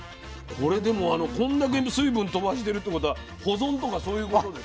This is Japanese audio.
これでもこんだけ水分飛ばしてるってことは保存とかそういうことですか？